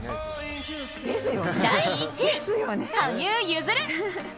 第１位、羽生結弦。